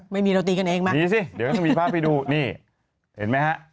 ไม่มีเราตีกันเองมั้ยนี่สิเดี๋ยวจะมีภาพไปดูนี่เห็นมั้ยฮะ